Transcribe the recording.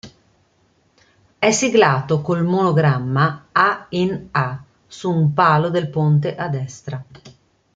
È siglato col monogramma "A in A", su un palo del ponte a destra.